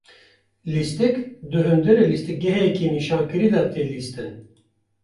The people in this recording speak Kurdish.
Lîstik di hundirê lîstikgeheke nîşankirî de, tê lîstin.